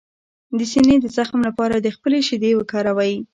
د سینې د زخم لپاره د خپلې شیدې وکاروئ